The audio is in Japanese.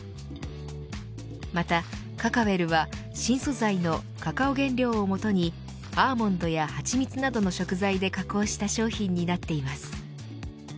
また、カカウェルは新素材のカカオ原料をもとにアーモンドや蜂蜜などの食材で加工した商品になっています。